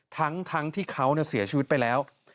ทั้งที่เขาเสียชีวิตไปแล้ว